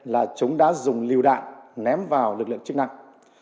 là chúng đã dùng liều đạn ném vào lực lượng chức năng